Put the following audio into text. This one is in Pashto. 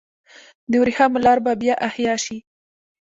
د ورېښمو لار به بیا احیا شي؟